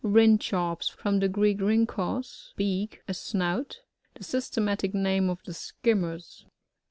Rhtnchops. — From the Greek, rug' ehes^ beak, a snout. The syste* matic name of the skimmers.